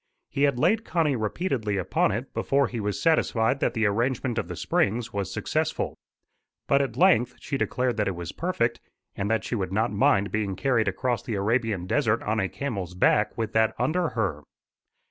He had laid Connie repeatedly upon it before he was satisfied that the arrangement of the springs, &c., was successful. But at length she declared that it was perfect, and that she would not mind being carried across the Arabian desert on a camel's back with that under her.